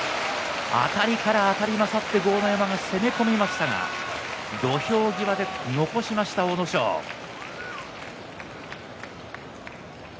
あたりから、あたり勝って豪ノ山が攻め込みましたが土俵際で残しました阿武咲です。